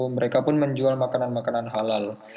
mereka pun menjual makanan makanan halal